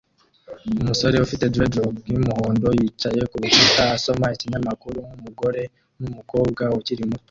Umusore ufite dreadlock yumuhondo yicaye kurukuta asoma ikinyamakuru nkumugore numukobwa ukiri muto